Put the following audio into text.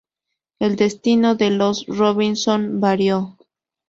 El destino de los "Robinson" varió.